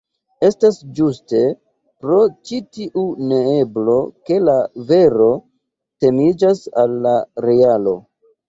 Estas ĝuste pro ĉi tiu neeblo, ke la vero teniĝas al la realo.